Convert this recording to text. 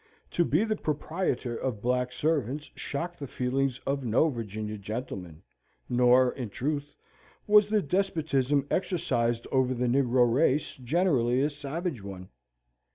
To be the proprietor of black servants shocked the feelings of no Virginian gentleman; nor, in truth, was the despotism exercised over the negro race generally a savage one.